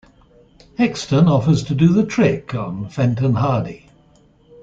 Hexton offers to do the trick on Fenton Hardy.